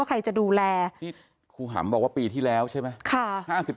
ครูหำบอกว่าปีที่แล้วใช่ไหม